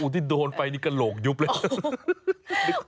อู้วที่โดนไปกระโหลกยุบเลย